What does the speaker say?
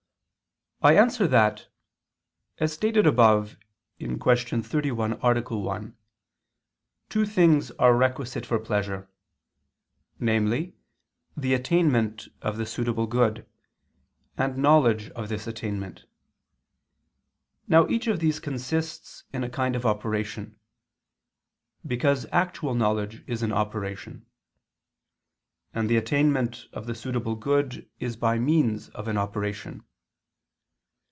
I answer that, As stated above (Q. 31, A. 1), two things are requisite for pleasure: namely, the attainment of the suitable good, and knowledge of this attainment. Now each of these consists in a kind of operation: because actual knowledge is an operation; and the attainment of the suitable good is by means of an operation.